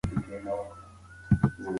د مور ملاتړ د ماشوم اعتماد قوي کوي.